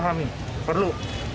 saya pahami perlu